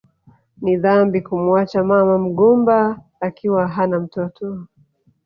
Ni dhambi kumuacha mama mgumba akiwa hana mtoto